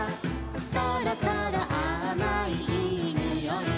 「そろそろあまいいいにおい」